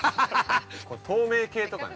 ◆透明系とかに。